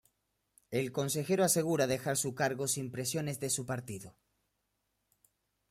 El consejero asegura dejar su cargo sin presiones de su partido.